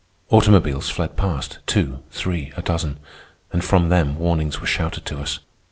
Automobiles fled past, two, three, a dozen, and from them warnings were shouted to us.